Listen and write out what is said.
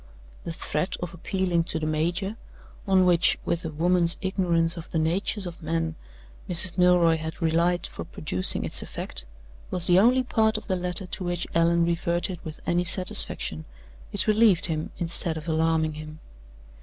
The threat of appealing to the major on which, with a woman's ignorance of the natures of men, Mrs. Milroy had relied for producing its effect was the only part of the letter to which Allan reverted with any satisfaction: it relieved instead of alarming him.